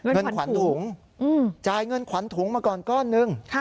เงินขวัญถุงจ่ายเงินขวัญถุงมาก่อนก้อนหนึ่ง